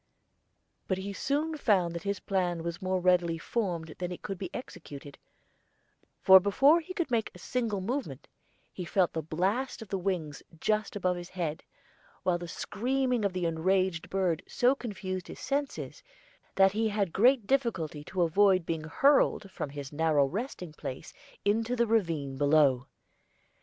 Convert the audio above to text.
But he soon found that this plan was more readily formed than it could be executed; for before he could make a single movement, he felt the blast of the wings just above his head, while the screaming of the enraged bird so confused his senses that he had great difficulty to avoid being hurled from his narrow resting place into the ravine below.